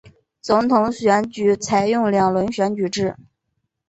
总统选举采用两轮选举制。